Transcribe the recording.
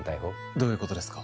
どういうことですか？